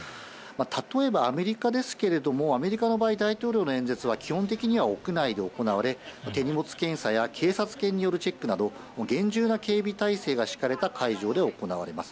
例えばアメリカですけれども、アメリカの場合、大統領の演説は基本的には屋内で行われ、手荷物検査や警察犬によるチェックなど、厳重な警備体制が敷かれた会場で行われます。